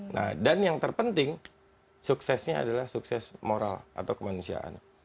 nah dan yang terpenting suksesnya adalah sukses moral atau kemanusiaan